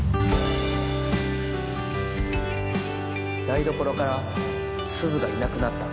台所からすずがいなくなった。